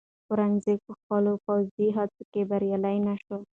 اورنګزېب په خپلو پوځي هڅو کې بریالی نه شو.